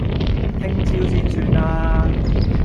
聽朝先算啦